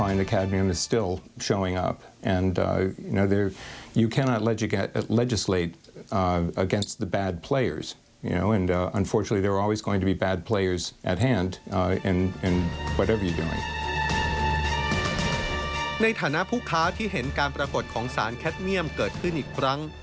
ในฐานะผู้ค้าที่เห็นการปรากฏของสารแคทเมี่ยมเกิดขึ้นอีกครั้ง